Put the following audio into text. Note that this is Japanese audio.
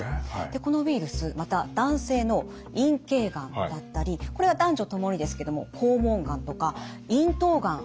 でこのウイルスまた男性の陰茎がんだったりこれは男女ともにですけども肛門がんとか咽頭がん。